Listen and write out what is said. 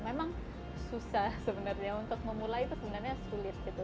memang susah sebenarnya untuk memulai itu sebenarnya sulit gitu